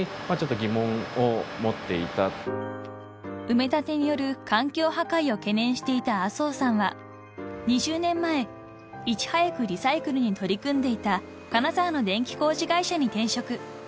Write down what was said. ［埋め立てによる環境破壊を懸念していた麻生さんは２０年前いち早くリサイクルに取り組んでいた金沢の電気工事会社に転職］